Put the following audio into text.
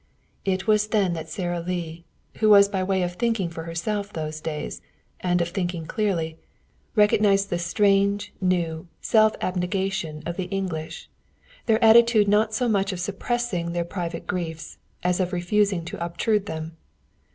It was then that Sara Lee, who was by way of thinking for herself those days, and of thinking clearly, recognized the strange new self abnegation of the English their attitude not so much of suppressing their private griefs as of refusing to obtrude them.